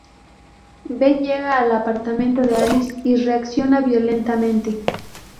Ben llega al apartamento de Alice y reacciona violentamente.